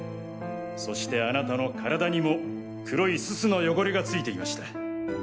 そしてあなたの体にも黒い煤の汚れが付いていました。